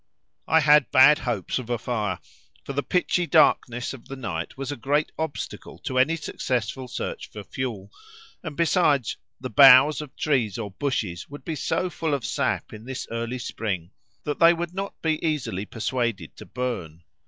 I had bad hopes of a fire, for the pitchy darkness of the night was a great obstacle to any successful search for fuel, and besides, the boughs of trees or bushes would be so full of sap in this early spring, that they would not be easily persuaded to burn.